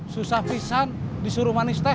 susah pisang disuruh manis teh